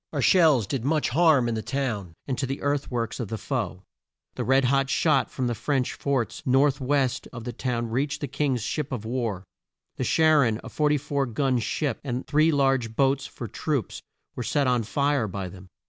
Our shells did much harm in the town, and to the earth works of the foe. The red hot shot from the French forts north west of the town reached the King's ships of war. The Char on a 44 gun ship, and three large boats for troops, were set on fire by them.